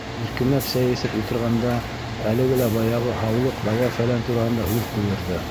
Иркенләп сәй эсеп ултырғанда, әлеге лә баяғы һаулыҡ, дауа-фәлән тураһында һүҙ ҡуйырҙы.